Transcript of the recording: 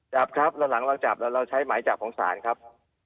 จับครับแล้วหลังเราจับแล้วเราใช้หมายจับของศาลครับ